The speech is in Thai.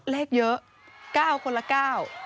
เลขเยอะ๙คนละ๙